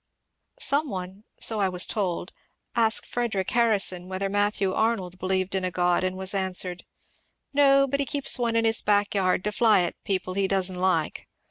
^ Some one — so I was told — asked Frederic Harrison whether Matthew Arnold believed in a God, and was answered :^^ No, but he keeps one in his back yard to fly at people he does n't like."